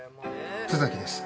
津崎です